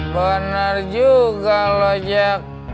bener juga lu jak